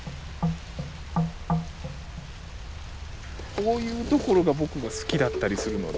こういうところが僕は好きだったりするので。